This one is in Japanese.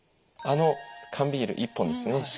あの缶ビール１本ですね。